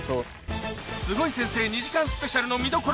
スゴい先生２時間スペシャルの見どころ